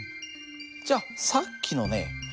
じゃあさっきのね